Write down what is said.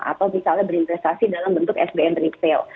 atau misalnya berinvestasi dalam bentuk sbn retail